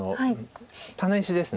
タネ石です。